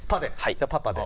じゃあパパで。